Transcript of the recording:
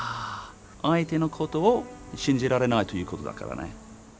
相手のことを信じられないということだからね。